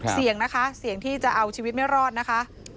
เสี่ยงนะคะเสี่ยงที่จะเอาชีวิตไม่รอดนะคะ